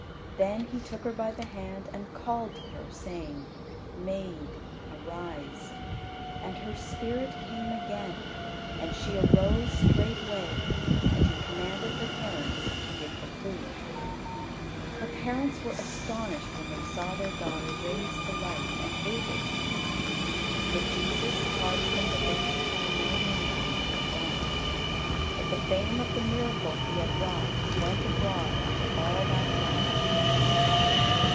Then He took her by the hand, and called to her, saying, "Maid, arise." And her spirit came again, and she arose straightway; and He commanded her parents to give her food. Her parents were astonished when they saw their daughter raised to life and able to eat, but Jesus charged them that they should tell no man what He had done. But the fame of the miracle He had wrought went abroad unto all that land.